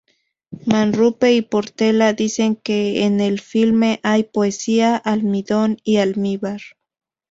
Manrupe y Portela dicen que en el filme hay poesía, almidón y almíbar.